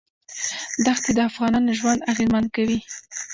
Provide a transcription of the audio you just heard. دښتې د افغانانو ژوند اغېزمن کوي.